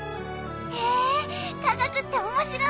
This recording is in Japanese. へえ科学って面白い！